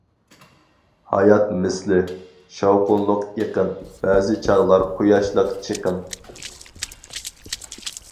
ھايات مىسلى، شاۋقۇنلۇق ئېقىن، بەزى چاغلار قۇياشلىق چېقىن.